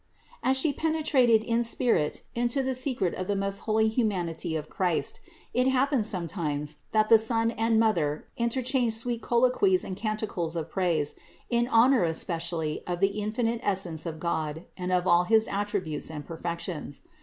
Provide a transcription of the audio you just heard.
As She penetrated in spirit into the secret of the most holy humanity of Christ, it happened sometimes that the Son and Mother interchanged sweet colloquies and canticles of praise in honor especially of the infinite essence of God and of all his attributes and perfections.